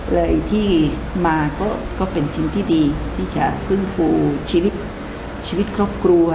เลยที่มาก็เป็นสิ่งที่ดีที่จะฟึงฟูชีวิตครอบครัว